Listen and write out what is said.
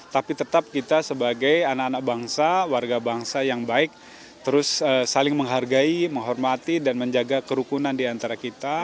tapi tetap kita sebagai anak anak bangsa warga bangsa yang baik terus saling menghargai menghormati dan menjaga kerukunan diantara kita